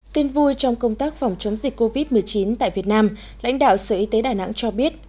tin vui trong công tác phòng chống dịch covid một mươi chín tại việt nam lãnh đạo sở y tế đà nẵng cho biết